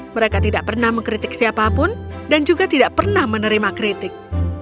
mereka tidak pernah mengkritik siapapun dan juga tidak pernah menerima kritik